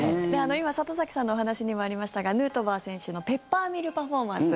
今、里崎さんのお話にもありましたがヌートバー選手のペッパーミルパフォーマンス